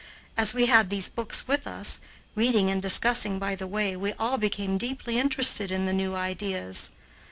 As we had these books with us, reading and discussing by the way, we all became deeply interested in the new ideas.